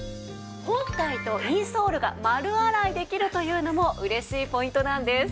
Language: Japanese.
本体とインソールが丸洗いできるというのも嬉しいポイントなんです。